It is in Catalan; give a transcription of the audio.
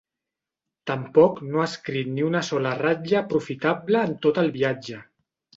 Tampoc no ha escrit ni una sola ratlla aprofitable en tot el viatge.